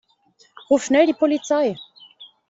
Ruf schnell die Polizei!